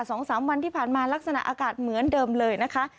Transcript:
สองสามวันที่ผ่านมาลักษณะอากาศเหมือนเดิมเลยนะคะ